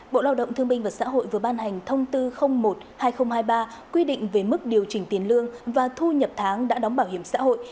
bộ lao động thương minh và xã hội vừa ban hành thông tư một hai nghìn hai mươi ba quy định về mức điều chỉnh tiền lương và thu nhập tháng đã đóng bảo hiểm xã hội